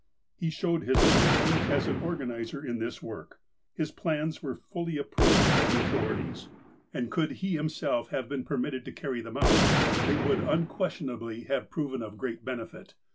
He showed his ability as an organizer in this work. His plans were fully approved by the authorities, and 142 THE APOSTLE OF ALASKA could he himself have been permitted to carry them out, they would uuquestiouably have proven of great benefit.